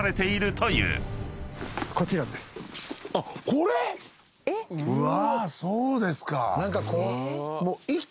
これ⁉うわそうですか。